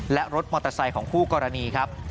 และรถมอเตอร์ไซค์ของคู่กรณีครับ